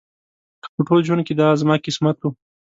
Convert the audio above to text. که په ټول ژوند کې دا زما قسمت و.